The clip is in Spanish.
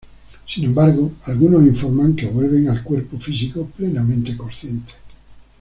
Sin embargo, algunos informan que vuelven al cuerpo físico plenamente conscientes.